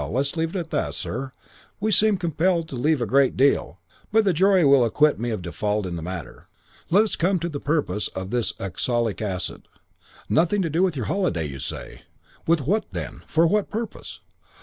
Let us leave that, sir. We seem to be compelled to leave a great deal, but the jury will acquit me of fault in the matter. Let us come to the purpose of this oxalic acid purchase. Nothing to do with your holiday, you say. With what then? For what purpose?'